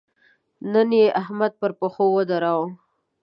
نن يې احمد پر پښو ودراوو.